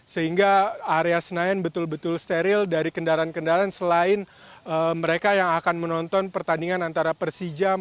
sehingga area senayan betul betul steril dari kendaraan kendaraan selain mereka yang akan menonton pertandingan antara persija